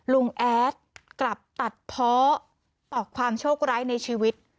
แอดกลับตัดเพาะต่อความโชคร้ายในชีวิต